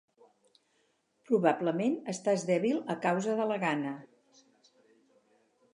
Probablement estàs dèbil a causa de la gana.